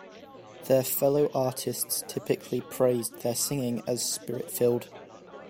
Their fellow artists typically praised their singing as spirit-filled.